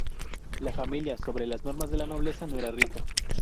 La familia, sobre las normas de la nobleza, no era rica.